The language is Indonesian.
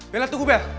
bella tunggu bella